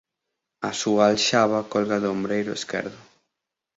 A súa alxaba colga do ombreiro esquerdo.